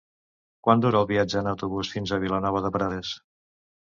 Quant dura el viatge en autobús fins a Vilanova de Prades?